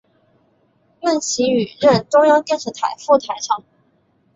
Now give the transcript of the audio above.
孟启予任中央电视台副台长。